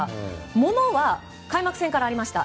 物は開幕戦からありました。